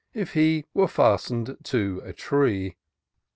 If he were fastened to a tree.